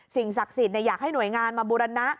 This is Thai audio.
ศักดิ์สิทธิ์อยากให้หน่วยงานมาบูรณะ